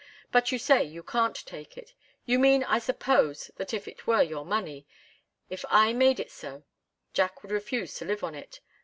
But you say you can't take it. You mean, I suppose, that if it were your money if I made it so Jack would refuse to live on it.